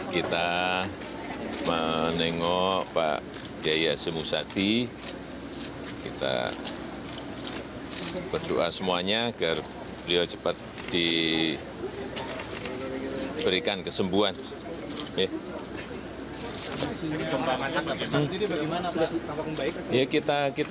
kita berdoa semuanya agar beliau cepat diberikan kesembuhan